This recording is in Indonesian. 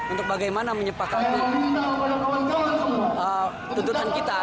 untuk bagaimana menyepakati tuntutan kita